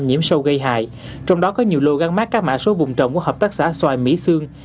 nhiễm sâu gây hại trong đó có nhiều lô gắn mát các mã số vùng trồng của hợp tác xã xoài mỹ sương